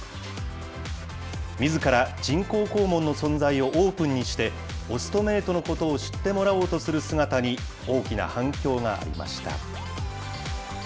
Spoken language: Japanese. みずから人工肛門の存在をオープンにして、オストメイトのことを知ってもらおうとする姿に大きな反響がありました。